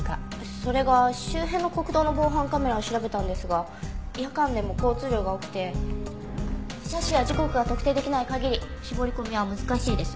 それが周辺の国道の防犯カメラを調べたんですが夜間でも交通量が多くて車種や時刻が特定できない限り絞り込みは難しいです。